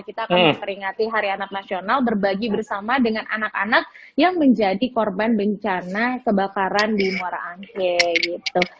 kita akan memperingati hari anak nasional berbagi bersama dengan anak anak yang menjadi korban bencana kebakaran di muara angke gitu